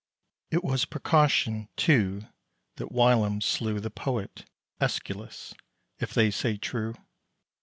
It was precaution, too, that whilom slew The poet Æschylus, if they say true.